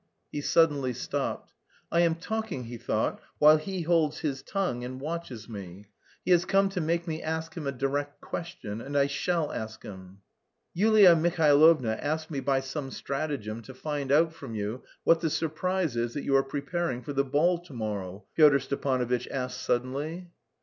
He suddenly stopped. "I am talking," he thought, "while he holds his tongue and watches me. He has come to make me ask him a direct question. And I shall ask him." "Yulia Mihailovna asked me by some stratagem to find out from you what the surprise is that you are preparing for the ball to morrow," Pyotr Stepanovitch asked suddenly.